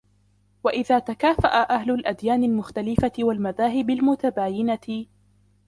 وَإِذَا تَكَافَأَ أَهْلُ الْأَدْيَانِ الْمُخْتَلِفَةِ وَالْمَذَاهِبِ الْمُتَبَايِنَةِ